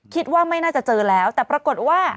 คิดว่าไม่น่าจะเจอแล้วแต่ปรากฏว่า